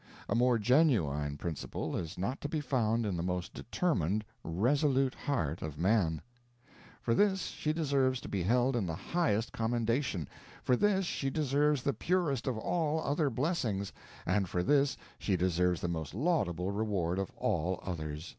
A more genuine principle is not to be found in the most determined, resolute heart of man. For this she deserves to be held in the highest commendation, for this she deserves the purest of all other blessings, and for this she deserves the most laudable reward of all others.